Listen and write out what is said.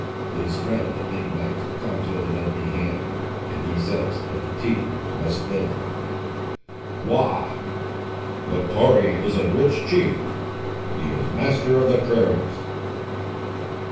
His friend the Big knife comes with an empty hand, and he says that the Teton must fill it." "Wagh! Mahtoree is a rich chief. He is master of the prairies."